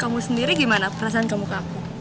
kamu sendiri gimana perasaan kamu ke aku